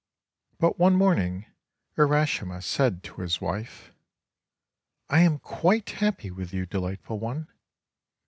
But one morning Urashima said to his wife, "I am quite happy with you, delightful one!